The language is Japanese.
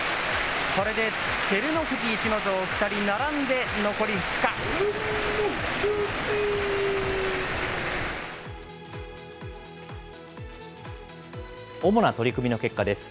これで照ノ富士、逸ノ城、２人並んで残主な取組の結果です。